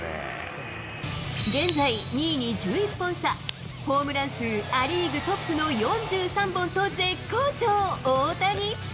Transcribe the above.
現在、２位に１１本差、ホームラン数ア・リーグトップの４３本と絶好調、大谷。